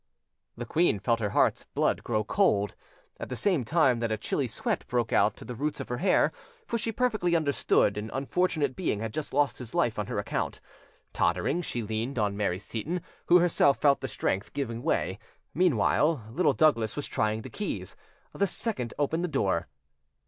The queen felt her heart's blood grow cold, at the same tine that a chilly sweat broke out to the roots of her hair; for she perfectly understood: an unfortunate being had just lost his life on her account. Tottering, she leaned on Mary Seyton, who herself felt her strength giving way. Meanwhile Little Douglas was trying the keys: the second opened the door.